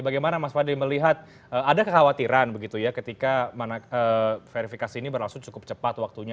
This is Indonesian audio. bagaimana mas fadli melihat ada kekhawatiran begitu ya ketika verifikasi ini berlangsung cukup cepat waktunya